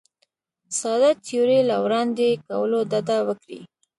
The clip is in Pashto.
ساده تیورۍ له وړاندې کولو ډډه وکړي.